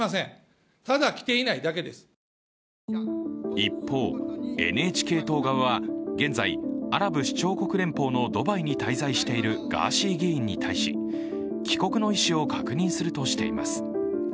一方、ＮＨＫ党側は、現在、アラブ首長国連邦のドバイに滞在しているガーシー議員に対し帰国の意思を確認するとしています。